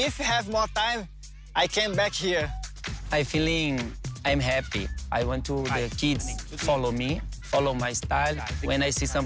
เป็นทางที่ถูกต้องเพื่อแสดงเด็ก